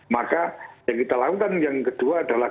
maka yang kita lakukan yang kedua adalah